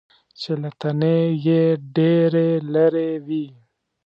چې له تنې یې ډېرې لرې وي .